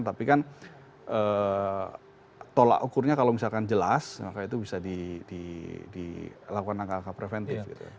tapi kan tolak ukurnya kalau misalkan jelas maka itu bisa dilakukan langkah langkah preventif